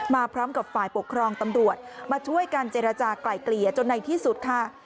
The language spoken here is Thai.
มาพร้อมกับฝ่ายปกครองตำรวจมาช่วยกันเจรจากลายเกลี่ยจนในที่สุดค่ะ